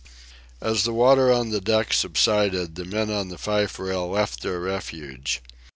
As the water on the deck subsided the men on the fife rail left their refuge.